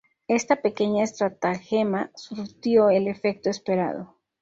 Esta pequeña estratagema surtió el efecto esperado.